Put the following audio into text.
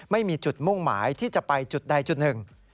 ไม่มีจุดมุ่งหมายที่จะไปจุดใดจุดหนึ่ง